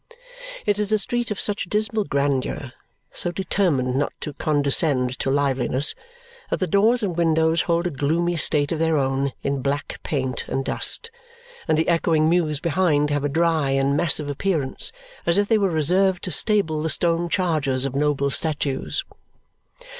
It is a street of such dismal grandeur, so determined not to condescend to liveliness, that the doors and windows hold a gloomy state of their own in black paint and dust, and the echoing mews behind have a dry and massive appearance, as if they were reserved to stable the stone chargers of noble statues.